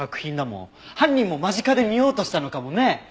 犯人も間近で見ようとしたのかもね。